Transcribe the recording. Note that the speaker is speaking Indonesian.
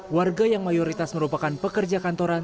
warga yang mayoritas merupakan pekerja kantoran